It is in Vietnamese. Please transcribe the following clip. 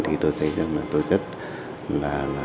thì tôi thấy rằng là tôi rất là